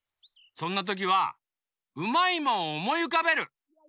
そんなときはうまいもんをおもいうかべる。